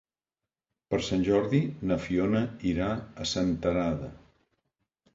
Per Sant Jordi na Fiona irà a Senterada.